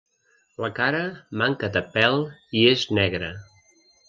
La cara manca de pèl i és negra.